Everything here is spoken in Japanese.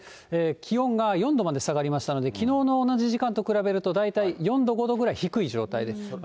気温が４度まで下がりましたので、きのうの同じ時間と比べると、大体４度、５度くらい低い状態です。